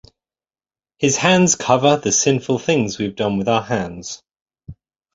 His hands cover the sinful things we've done with our hands.